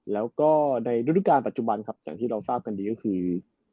แล้วก็ในฤดูการปัจจุบันครับอย่างที่เราทราบกันดีก็คือ